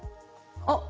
あっ！